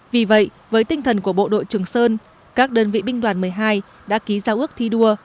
vì vậy với tinh thần của bộ đội trường sơn các đơn vị binh đoàn một mươi hai đã ký giao ước thi đua